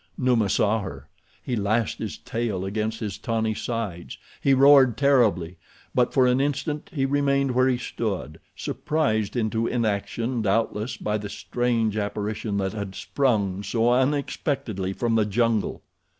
Numa saw her. He lashed his tail against his tawny sides. He roared terribly; but, for an instant, he remained where he stood—surprised into inaction, doubtless, by the strange apparition that had sprung so unexpectedly from the jungle.